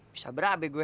bisa berabe gue